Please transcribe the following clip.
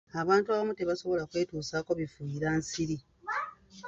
Abantu abamu tebasobola kwetusaako bifuuyira nsiri.